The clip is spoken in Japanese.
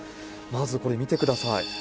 まずこれ、見てください。